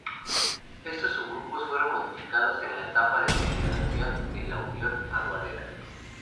Estos subgrupos fueron modificados en la etapa de consolidación de la unión aduanera.